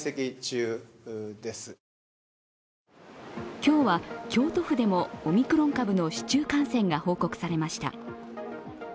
今日は京都府でもオミクロン株の市中感染が報告されました。